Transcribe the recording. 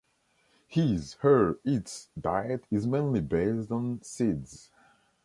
His/her/its diet is mainly based on seeds.